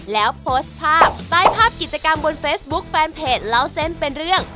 แล้วโพสต์ภาพใต้ภาพกิจกรรมบนเฟซบุ๊คแฟนเพจเล่าเส้นเป็นเรื่อง